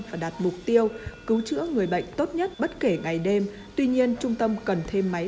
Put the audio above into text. và đạt mục tiêu cứu chữa người bệnh tốt nhất bất kể ngày đêm tuy nhiên trung tâm cần thêm máy